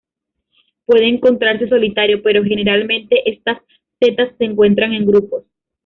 Puede encontrarse solitario, pero generalmente estas setas se encuentran en grupos.